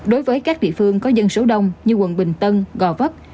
đối với các địa phương có dân số đông như quận bình tân gò vấp